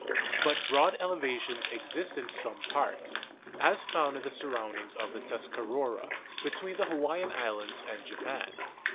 But broad elevations exist in some parts, as found in the soundings of the Tuscarora between the Hawaiian Islands and Japan.